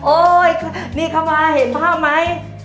โอ๊ยนี่เข้ามาเห็นภาพไหม